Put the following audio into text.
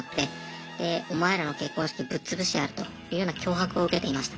でお前らの結婚式ぶっつぶしてやるというような脅迫を受けていました。